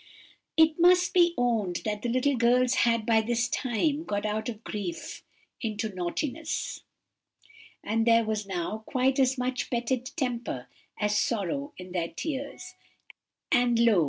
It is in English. "It must be owned that the little girls had by this time got out of grief into naughtiness; and there was now quite as much petted temper as sorrow in their tears; and lo!